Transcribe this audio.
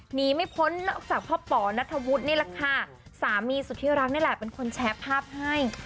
หนีไม่พ้นนอกจากพ่อป๋อนัทธวุฒินี่แหละค่ะสามีสุธิรักนี่แหละเป็นคนแชร์ภาพให้